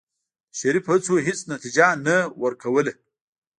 د شريف هڅو هېڅ نتيجه نه ورکوله.